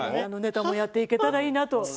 ネタもやっていけたらいいなと。